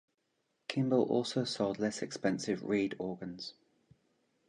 Kimball also sold less expensive reed organs.